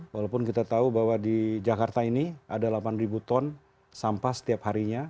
walaupun kita tahu bahwa di jakarta ini ada delapan ton sampah setiap harinya